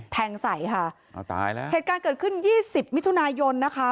แทงใส่ค่ะเอาตายแล้วเหตุการณ์เกิดขึ้นยี่สิบมิถุนายนนะคะ